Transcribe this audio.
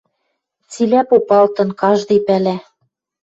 Цилӓ попалтын, каждый пӓлӓ.